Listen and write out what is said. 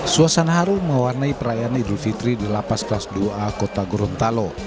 suasana haru mewarnai perayaan idul fitri di lapas kelas dua a kota gorontalo